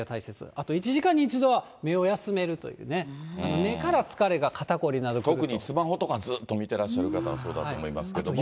あと１時間に１度は目を休めるというね、目から疲れが、肩凝りな特にスマホとかずっと見てらっしゃる方はそうだと思いますけれども。